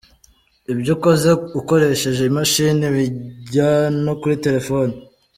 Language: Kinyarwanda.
Ibyo ukoze ukoresheje imashini, bijya no kuri telefoni.